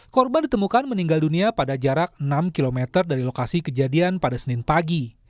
korban ditemukan meninggal dunia pada jarak enam km dari lokasi kejadian pada senin pagi